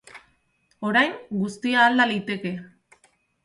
Orain, guztia alda liteke.